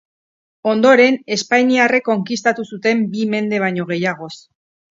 Ondoren espainiarrek konkistatu zuten bi mende baino gehiagoz.